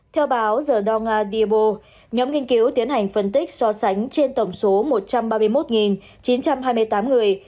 theo báo the donga diabo nhóm nghiên cứu tiến hành phân tích so sánh trên tổng số một trăm ba mươi một chín trăm hai mươi tám người